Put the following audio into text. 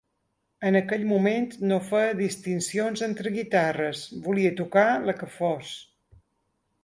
En aquell moment no feia distincions entre guitarres, volia tocar la que fos.